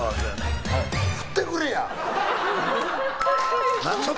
振ってくれや！